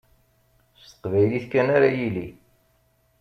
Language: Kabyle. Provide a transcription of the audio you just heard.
S teqbaylit kan ara yili.